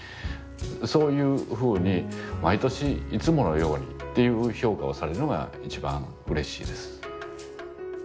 そういうふうに毎年「いつものように」っていう評価をされるのが一番うれしいです。